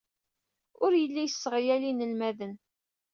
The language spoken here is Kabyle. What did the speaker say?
Ur yelli yesseɣyal inelmaden.